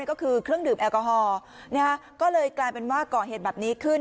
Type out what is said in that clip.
ก็คือเครื่องดื่มแอลกอฮอล์ก็เลยกลายเป็นว่าก่อเหตุแบบนี้ขึ้น